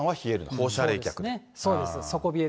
放射冷却。